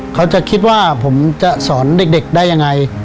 เขาจะคิดว่าผมจะสอนเด็กได้ยังไง